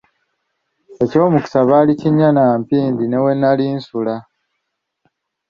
Eky'omukisa baali kinnya na mpindi ne we nnali nsula.